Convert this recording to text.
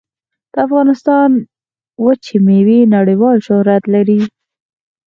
د افغانستان وچې میوې نړیوال شهرت لري